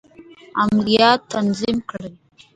عملیات تنظیم کړي.